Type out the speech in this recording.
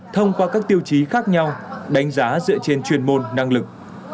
thông qua các tiêu chí khác nhau đánh giá dựa trên chuyên môn năng lực